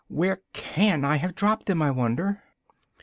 Where can I have dropped them, I wonder?"